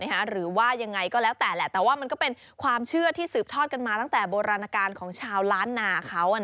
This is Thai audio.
หรือว่ายังไงก็แล้วแต่แหละแต่ว่ามันก็เป็นความเชื่อที่สืบทอดกันมาตั้งแต่โบราณการของชาวล้านนาเขา